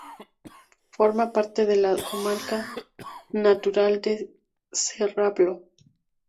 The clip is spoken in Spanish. Forma parte de la comarca natural de Serrablo.